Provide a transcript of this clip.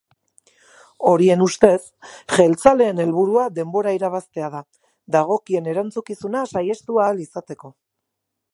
Horien ustez, jeltzaleen helburua denbora irabaztea da dagokien erantzukizuna saihestu ahal izateko.